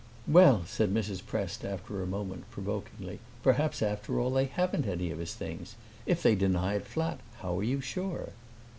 "Well," said Mrs. Prest after a moment, provokingly, "perhaps after all they haven't any of his things. If they deny it flat how are you sure?"